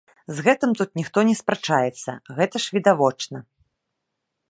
З гэтым тут ніхто не спрачаецца, гэта ж відавочна.